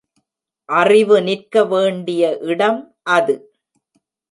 அறிவு நிற்க வேண்டிய இடம் அது.